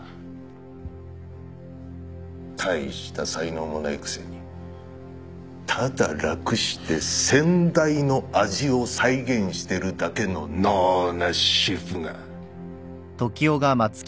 大した才能もないくせにただ楽して先代の味を再現してるだけの能なしシェフが。